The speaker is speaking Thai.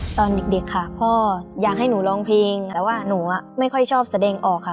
ตอนเด็กค่ะพ่ออยากให้หนูร้องเพลงแต่ว่าหนูไม่ค่อยชอบแสดงออกค่ะ